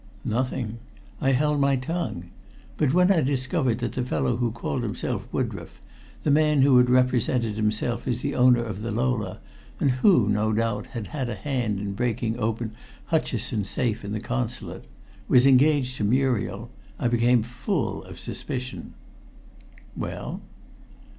"Nothing. I held my tongue. But when I discovered that the fellow who called himself Woodroffe the man who had represented himself as the owner of the Lola, and who, no doubt, had had a hand in breaking open Hutcheson's safe in the Consulate was engaged to Muriel, I became full of suspicion." "Well?"